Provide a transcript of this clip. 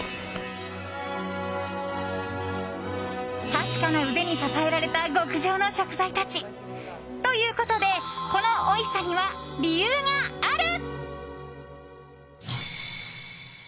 確かな腕に支えられた極上の食材たち。ということで、このおいしさには理由がある。